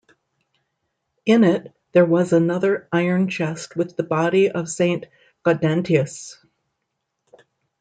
In it, there was another iron chest with the body of Saint Gaudentius.